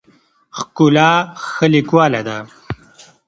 ښکلا ښه لیکواله ده.